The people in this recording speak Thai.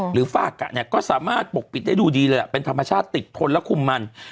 ฝากกะเนี่ยก็สามารถปกปิดได้ดูดีเลยเป็นธรรมชาติติดทนและคุมมัน